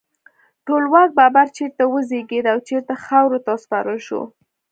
ټولواک بابر چیرته وزیږید او چیرته خاورو ته وسپارل شو؟